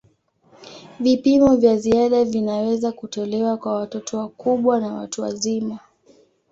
Vipimo vya ziada vinaweza kutolewa kwa watoto wakubwa na watu wazima.